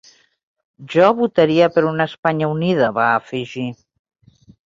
Jo votaria per una Espanya unida, va afegir.